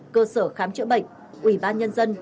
cơ sở khám chữa bệnh ủy ban nhân dân